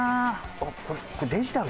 あっこれデジタルで。